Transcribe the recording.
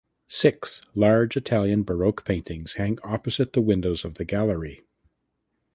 Six large Italian Baroque paintings hang opposite the windows of the gallery.